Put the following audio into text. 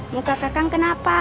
muka kakak kenapa